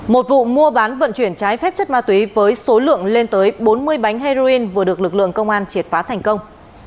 một vụ mua bán vận chuyển trái phép chất ma túy với số lượng lên tới bốn mươi bánh heroin vừa được lực lượng công an triệt phá thành công